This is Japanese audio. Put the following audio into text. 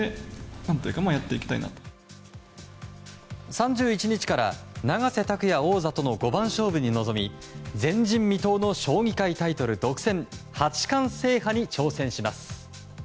３１日から永瀬拓矢王座との五番勝負に臨み前人未到の将棋界タイトル独占八冠制覇に挑戦します。